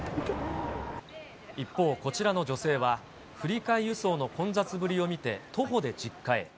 一方、こちらの女性は、振り替え輸送の混雑ぶりを見て、徒歩で実家へ。